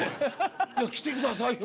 いや来てくださいよ